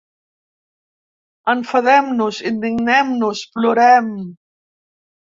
Enfadem-nos, indignem-nos, plorem.